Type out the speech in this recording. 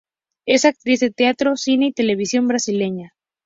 Es actriz de teatro, cine y televisión brasileña.